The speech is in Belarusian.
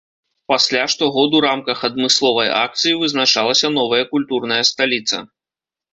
Пасля штогод у рамках адмысловай акцыі вызначалася новая культурная сталіца.